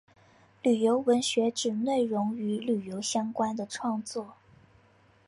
旅游文学指内容与旅游相关的创作。